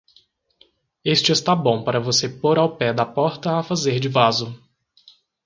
Este está bom para você pôr ao pé da porta a fazer de vaso.